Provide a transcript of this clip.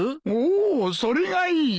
おおそれがいい。